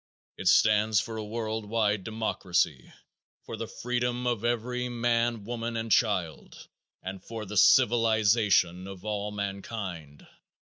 It stands for a world wide democracy, for the freedom of every man, woman and child, and for the civilization of all mankind.